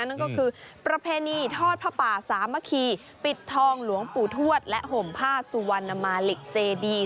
นั่นก็คือประเพณีทอดผ้าป่าสามัคคีปิดทองหลวงปู่ทวดและห่มผ้าสุวรรณมาเหล็กเจดี